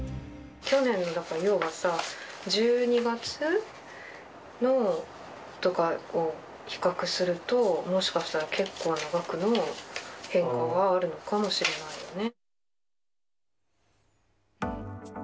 去年の、要はさ、１２月とかを比較すると、もしかしたら結構な額の変更はあるのかもしれないよね。